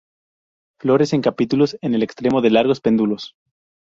Flores en capítulos en el extremo de largos pedúnculos.